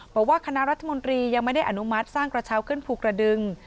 บอกว่าคณะรัฐมนตรียังไม่ได้อนุมัติสร้างกระเช้าขึ้นภูกระดึง